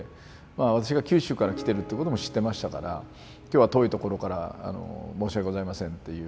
私が九州から来てるってことも知ってましたから「今日は遠いところから申し訳ございません」っていう。